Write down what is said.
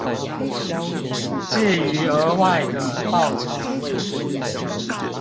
至於額外的報酬